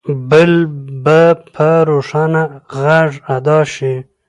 بل به په روښانه غږ ادا شي.